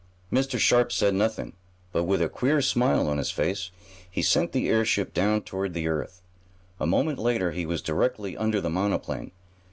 Mr. Sharp said nothing, but, with a queer smile on his face he sent the airship down toward the earth. A moment later he was directly under the monoplane.